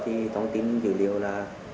thì thông tin dữ liệu là